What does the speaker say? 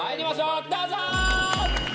どうぞ！